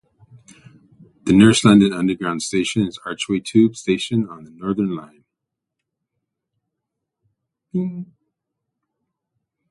The nearest London Underground station is Archway tube station on the Northern line.